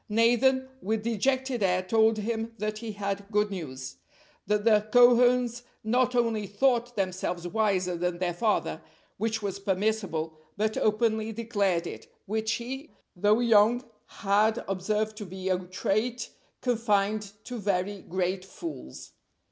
Nathan with dejected air told him that he had good news; that the Cohens not only thought themselves wiser than their father, which was permissible, but openly declared it, which he, though young, had observed to be a trait confined to very great fools.